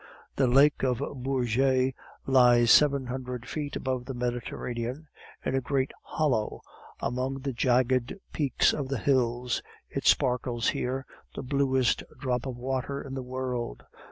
The Lake of Bourget lies seven hundred feet above the Mediterranean, in a great hollow among the jagged peaks of the hills; it sparkles there, the bluest drop of water in the world.